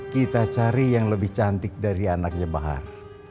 kita cari yang lebih cantik dari anaknya bahar